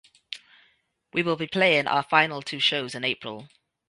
We will be playing our final two shows in April.